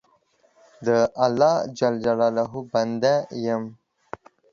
د الله جل جلاله بنده یم.